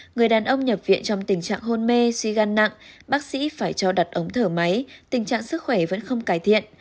người đàn ông nhập viện trong tình trạng hôn mê suy gan nặng bác sĩ phải cho đặt ống thở máy tình trạng sức khỏe vẫn không cải thiện